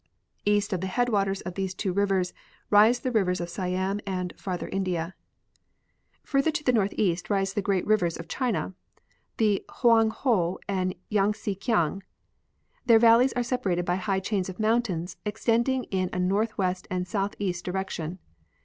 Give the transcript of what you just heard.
East of the head waters of these two rivers rise the rivers of Siam and Farther India. Further to the northeast rise the great rivers of Cliina, the Hoang ho and Yang tse kiang. Their valleys are separated by high chains of mountains, extending in a northwest and south east direction.